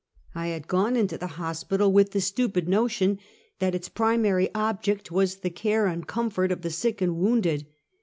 I had gone into the hospital with the stupid notion that its primary object was the care and comfort of the sick and wounded.